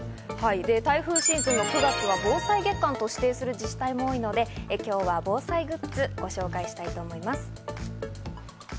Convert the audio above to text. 台風シーズンの９月は防災月間と指定する自治体も多いので、今日は防災グッズをご紹介したいと思います。